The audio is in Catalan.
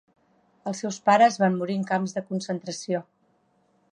Els seus pares van morir en camps de concentració.